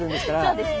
そうですね。